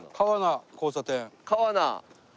川名！